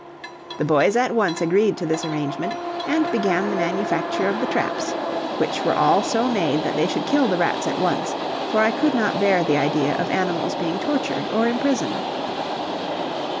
The boys at once agreed to this arrangement, and began the manufacture of the traps, which were all so made that they should kill the rats at once, for I could not bear the idea of animals being tortured or imprisoned.